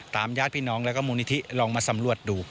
ญาติพี่น้องแล้วก็มูลนิธิลองมาสำรวจดู